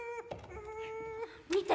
見て！